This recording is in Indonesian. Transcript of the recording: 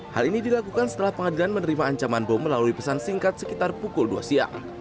hal ini dilakukan setelah pengadilan menerima ancaman bom melalui pesan singkat sekitar pukul dua siang